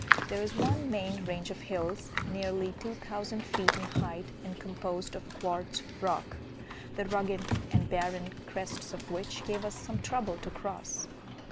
There is one main range of hills, nearly two thousand feet in height, and composed of quartz rock, the rugged and barren crests of which gave us some trouble to cross.